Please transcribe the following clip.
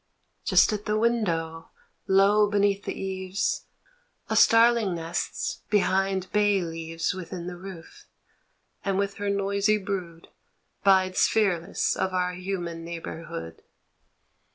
Just at the window, low beneath the eaves A starling nests behind bay leaves Within the roof, and with her noisy brood Bides fearless of our human neighbourhood.